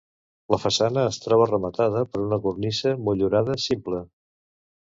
La façana es troba rematada per una cornisa motllurada simple.